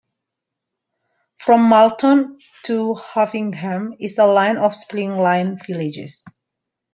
From Malton to Hovingham is a line of spring line villages.